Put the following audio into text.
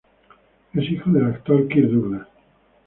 Es hijo del actor Kirk Douglas.